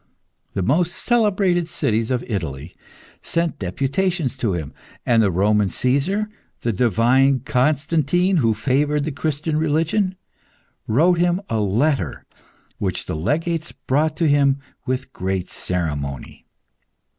The most celebrated cities of Italy sent deputations to him, and the Roman Caesar, the divine Constantine who favoured the Christian religion, wrote him a letter which the legates brought to him with great ceremony.